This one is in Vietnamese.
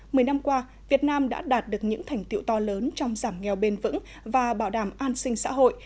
mười năm qua việt nam đã đạt được những thành tiệu to lớn trong giảm nghèo bền vững và bảo đảm an sinh xã hội